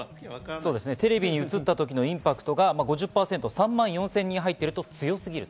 テレビで映ったときのインパクトが５０％、３万４０００人入っていると強すぎると。